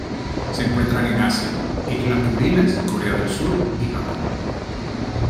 Se encuentran en Asia: Islas Kuriles, Corea del Sur y Japón.